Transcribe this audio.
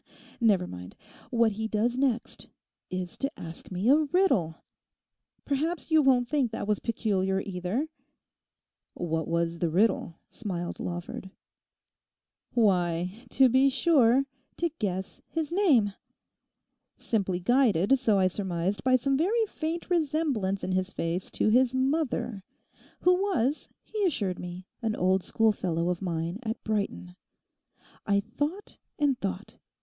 Never mind. What he does next is to ask me a riddle! Perhaps you won't think that was peculiar either?' 'What was the riddle?' smiled Lawford. 'Why, to be sure, to guess his name! Simply guided, so I surmised, by some very faint resemblance in his face to his mother, who was, he assured me, an old schoolfellow of mine at Brighton. I thought and thought.